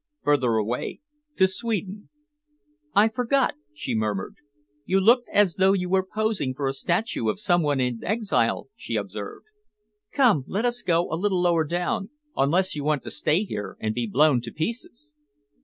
"Further away to Sweden." "I forgot," she murmured. "You looked as though you were posing for a statue of some one in exile," she observed. "Come, let us go a little lower down unless you want to stay here and be blown to pieces."